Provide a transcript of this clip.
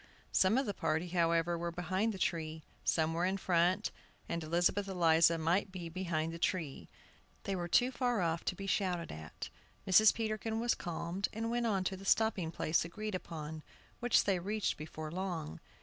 Some of the party, however, were behind the tree, some were in front, and Elizabeth Eliza might be behind the tree. They were too far off to be shouted at. Mrs. Peterkin was calmed, and went on to the stopping lace agreed upon, which they reached before long.